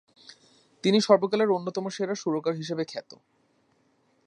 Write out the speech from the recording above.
তিনি সর্বকালের অন্যতম সেরা সুরকার হিসেবে খ্যাত।